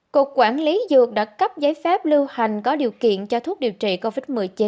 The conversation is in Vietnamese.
cục quản lý dược đã cấp giấy phép lưu hành có điều kiện cho thuốc điều trị covid một mươi chín